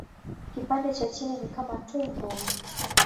Kipande cha chini ni kama tumbo.